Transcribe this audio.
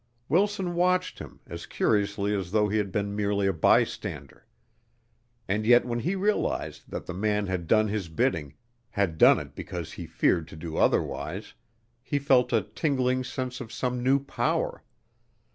Wilson watched him as curiously as though he had been merely a bystander. And yet when he realized that the man had done his bidding, had done it because he feared to do otherwise, he felt a tingling sense of some new power.